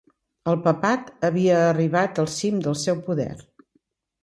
El papat havia arribat al cim del seu poder.